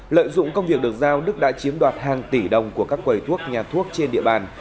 lợi dụng công việc được giao đức đã chiếm đoạt hàng tỷ đồng của các quầy thuốc nhà thuốc trên địa bàn